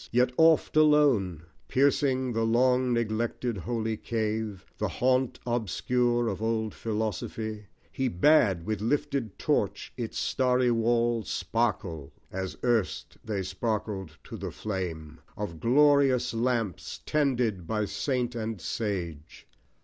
Yea, oft alone, Piercing the long neglected holy cave, The haunt obscure of old Philosophy, He bade with lifted torch its starry walls Sparkle, as erst they sparkled to the flame Of odorous lamps tended by saint and sage.